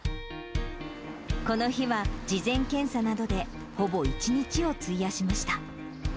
この日は、事前検査などでほぼ一日を費やしました。